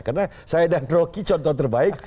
karena saya dan rocky contoh terbaik